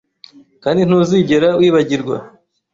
Kandi ntuzigera wibagirwa